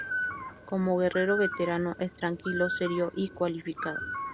Como guerrero veterano, es tranquilo, serio y cualificado.